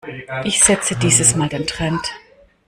Ich setze dieses mal den Trend.